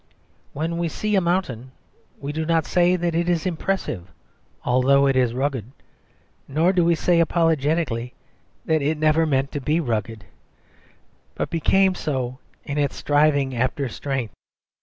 When we see a mountain, we do not say that it is impressive although it is rugged, nor do we say apologetically that it never meant to be rugged, but became so in its striving after strength.